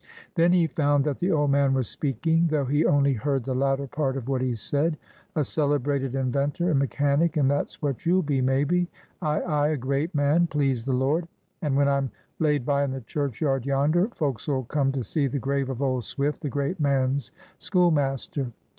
Then he found that the old man was speaking, though he only heard the latter part of what he said. "—a celebrated inventor and mechanic, and that's what you'll be, maybe. Ay, ay, a Great Man, please the Lord; and, when I'm laid by in the churchyard yonder, folks'll come to see the grave of old Swift, the great man's schoolmaster.